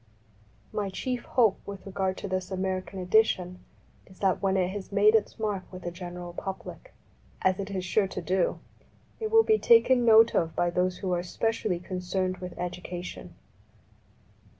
My chief hope with regard to this American edition is that when it has made its mark with the general public, as it is sure to do, it will be taken note of by those who are specially con cerned with education.